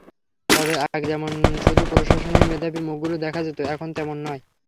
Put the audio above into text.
তবে আগে যেমন শুধু জনপ্রশাসনেই মেধাবী মুখগুলো দেখা যেত, এখন তেমন নয়।